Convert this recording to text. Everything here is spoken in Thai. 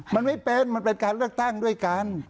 มันไม่เป็นมันเป็นการเลือกตั้งด้วยกัน